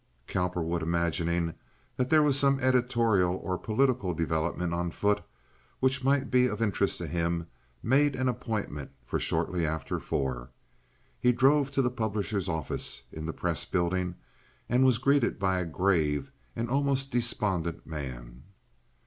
Cowperwood, imagining that there was some editorial or local political development on foot which might be of interest to him, made an appointment for shortly after four. He drove to the publisher's office in the Press Building, and was greeted by a grave and almost despondent man.